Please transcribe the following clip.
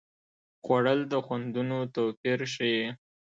خوړل د خوندونو توپیر ښيي